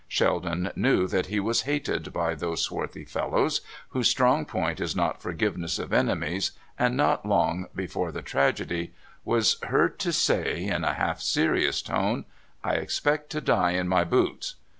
Sheldon knew that he was hated by those swarthy fellows whose strong point is not forgiveness of enemies, and not long before the tragedy was heard to say, in a half serious tone :" I expect to die in my boots."